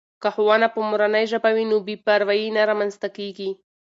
که ښوونه په مورنۍ ژبه وي نو بې پروایي نه رامنځته کېږي.